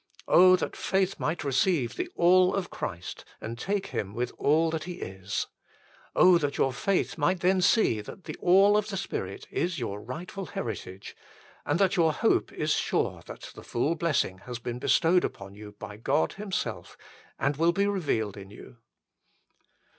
that faith might receive the All of Christ and take Him with All that He is ! that your faith might then see that the All of the Spirit is your rightful heritage, and that your hope is sure that the full blessing has been bestowed upon you by God Himself, and will be revealed in you